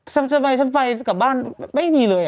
ทำไมฉันไปกลับบ้านไม่มีเลย